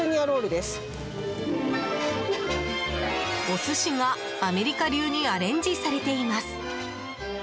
お寿司がアメリカ流にアレンジされています。